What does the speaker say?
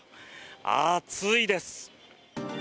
暑いです。